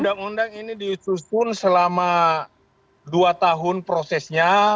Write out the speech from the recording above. undang undang ini disusun selama dua tahun prosesnya